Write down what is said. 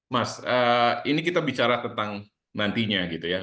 mas ini kita bicara tentang nantinya